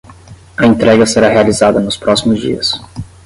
A entrega será realizada nos próximos dias